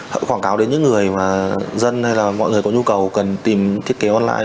họ quảng cáo đến những người mà dân hay là mọi người có nhu cầu cần tìm thiết kế online